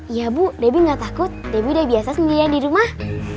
iya bu debbie gak takut debby udah biasa sendirian di rumah